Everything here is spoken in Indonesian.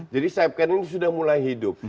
jadi sayap kanan ini sudah mulai hidup